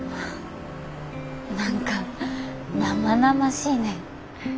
何か生々しいね。